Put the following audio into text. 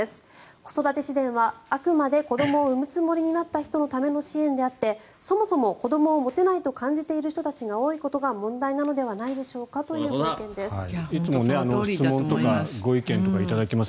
子育て支援は、あくまで子どもを生むつもりになった人のための支援であってそもそも子どもを持てないと感じている人たちが多いことが問題なのではないでしょうかというご意見です。